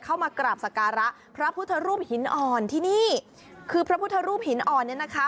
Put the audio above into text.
เข้ามากราบสการะพระพุทธรูปหินอ่อนที่นี่คือพระพุทธรูปหินอ่อนเนี่ยนะคะ